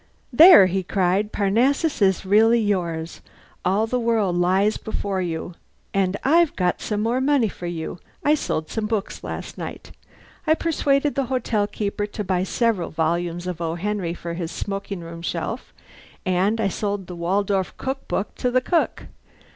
"There!" he cried "Parnassus is really yours! All the world lies before you! And I've got some more money for you. I sold some books last night. I persuaded the hotel keeper to buy several volumes of O. Henry for his smoking room shelf, and I sold the 'Waldorf Cook Book' to the cook.